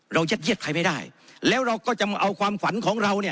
เรายัดเย็ดใครไม่ได้แล้วเราก็จะเอาความขวัญของเรา